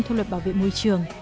thuộc luật bảo vệ môi trường